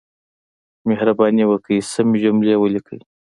مهرباني وکړئ، سمې جملې وليکئ!